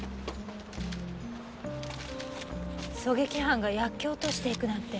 狙撃犯が薬莢を落としていくなんて。